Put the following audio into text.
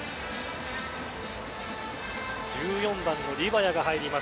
１４番のリヴァヤが入ります。